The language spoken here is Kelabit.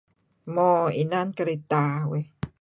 Mo inan kereta uih..